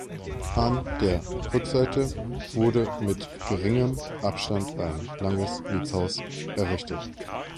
An der Rückseite wurde mit geringem Abstand ein langes Mietshaus errichtet.